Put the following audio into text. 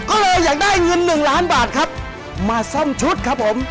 ก็เลยอยากได้เงินหนึ่งล้านบาทครับมาซ่อมชุดครับผม